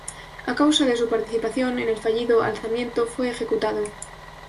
A causa de su participación en el fallido alzamiento fue ejecutado.